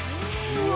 うわ。